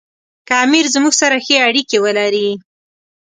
که امیر زموږ سره ښې اړیکې ولري.